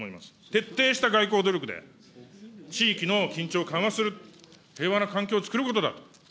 徹底した外交努力で、地域の緊張を緩和する、平和な環境をつくることだ。